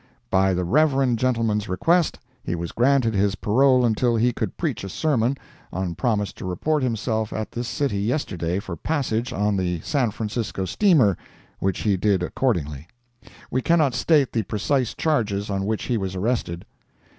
By the Reverend gentleman's request, he was granted his parole until he could preach a sermon, on promise to report himself at this city yesterday for passage on the San Francisco steamer, which he did accordingly. We cannot state the precise charges on which he was arrested.